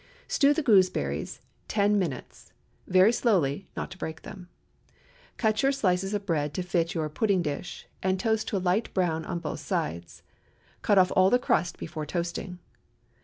Stew the gooseberries ten minutes—very slowly, not to break them. Cut your slices of bread to fit your pudding dish, and toast to a light brown on both sides. (Cut off all the crust before toasting.)